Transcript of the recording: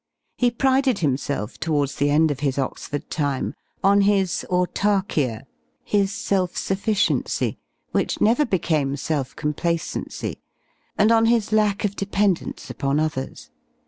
He prided himself, towards the end of his Oxford time, on his avrdpKaa, his s elf sufficie ncy^ which never became self complacency, and on his lack of dependence upon others.